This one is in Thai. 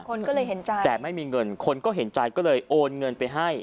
คนก็เลยเห็นใจแต่ไม่มีเงินคนก็เห็นใจก็เลยโอนเงินไปให้